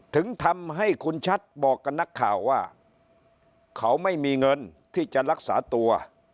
ถึงทำให้คุณชัดบอกกับนักข่าวว่าเขาไม่มีเงินที่จะรักษาตัว